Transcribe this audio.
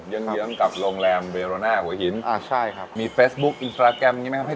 ยังเยื้องกับโรงแรมเบโรน่าหัวหินอ่าใช่ครับมีเฟซบุ๊คอินสตราแกรมนี้ไหมครับพี่